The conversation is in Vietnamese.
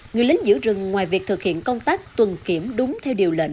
người lính giữ rừng ngoài việc thực hiện công tác tuần kiểm đúng theo điều lệnh